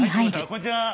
こんにちは。